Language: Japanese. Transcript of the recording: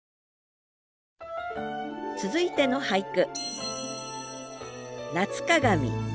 続いての俳句